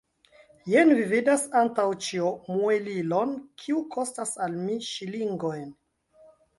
Jen vi vidas antaŭ ĉio muelilon, kiu kostas al mi ŝilingojn.